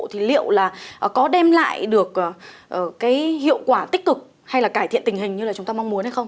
thì liệu là có đem lại được cái hiệu quả tích cực hay là cải thiện tình hình như là chúng ta mong muốn hay không